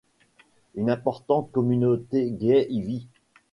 Une importante communauté gay y vit.